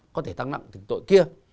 có thể tăng nặng của tội kia